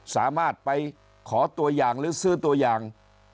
สามารถไปขอตัวอย่างหรือซื้อตัวอย่าง